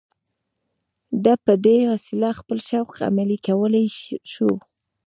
ده په دې وسیله خپل شوق عملي کولای شو